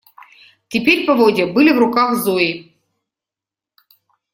Теперь поводья были в руках Зои.